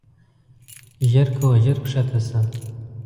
ژر کوه ژر کښته شه.